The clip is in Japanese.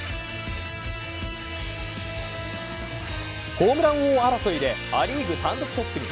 ホームラン王争いでア・リーグ単独トップに。